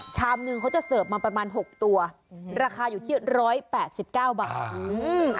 ชามนึงเขาจะเสิร์ฟมาประมาณหกตัวอืมราคาอยู่ที่ร้อยแปดสิบเก้าบาทอืม